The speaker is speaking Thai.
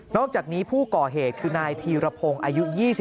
อกจากนี้ผู้ก่อเหตุคือนายธีรพงศ์อายุ๒๓